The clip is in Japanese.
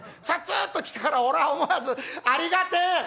「さあつっと来たから俺は思わずありがてえ！」。